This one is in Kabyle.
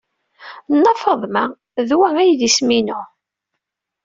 Nna Faḍma, d wa ay d isem-inu.